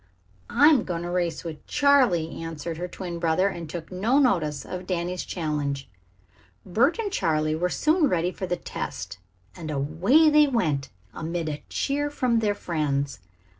"I'm going to race with Charley," answered her twin brother, and took no notice of Danny's challenge. Bert and Charley were soon ready for the test, and away they went amid a cheer from their friends.